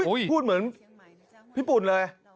พูดเหมือนพี่ปุ่นเลย